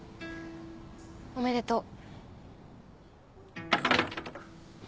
おめでとう。